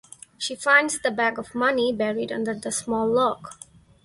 She finds the bag of money buried under the small log.